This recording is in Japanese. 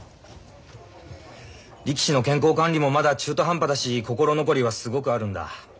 力士の健康管理もまだ中途半端だし心残りはすごくあるんだ。